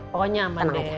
pokoknya aman deh